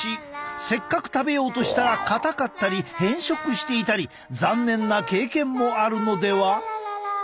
せっかく食べようとしたら硬かったり変色していたり残念な経験もあるのでは？